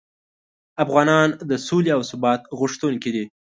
افغانان د سولې او ثبات غوښتونکي دي.